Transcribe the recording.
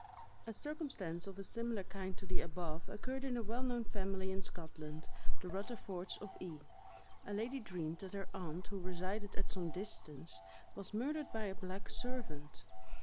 A circumstance of a similar kind to the above occurred in a well known family in Scotland, the Rutherfords of E——. A lady dreamed that her aunt, who resided at some distance, was murdered by a black servant.